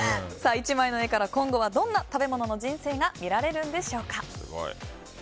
１枚の絵から今後はどんな食べ物の人生が見られるんでしょうか。